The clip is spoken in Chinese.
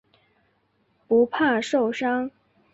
不怕受伤。